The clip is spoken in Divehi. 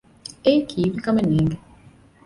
އެއީ ކީއްވެ ކަމެއް ނޭނގެ